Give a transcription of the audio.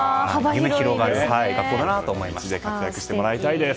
夢が広がる学校だなと思いました。